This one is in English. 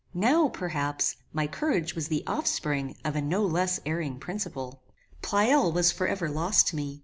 Now, perhaps, my courage was the offspring of a no less erring principle. Pleyel was for ever lost to me.